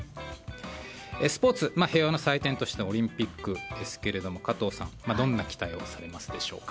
スポーツ、平和の祭典としてのオリンピックですが加藤さん、どんな期待をされますでしょうか。